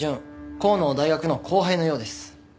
香野の大学の後輩のようです。